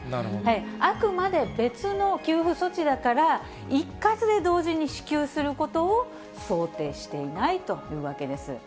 あくまで別の給付措置だから、一括で同時に支給することを想定していないというわけです。